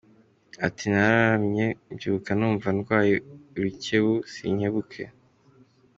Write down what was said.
Ati “Nararyamye mbyuka numva ndwaye urukebu, sinkebuke.